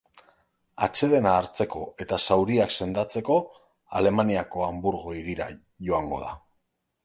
Atsedena hartzeko eta zauriak sendatzeko, Alemaniako Hanburgo hirira joango da.